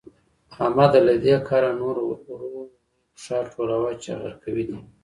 احمده؛ له دې کاره نور ورو ورو پښه ټولوه چې غرقوي دي.